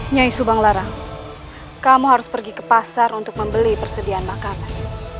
nyai subang larang kamu harus pergi ke pasar untuk membeli persediaan makanan